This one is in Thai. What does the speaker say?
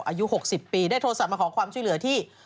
อายุ๖๐ปีได้โทรศัพท์มาขอความช่วยเหลือที่